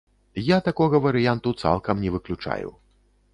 Я такога варыянту цалкам не выключаю.